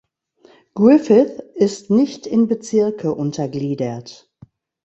Griffith ist nicht in Bezirke untergliedert.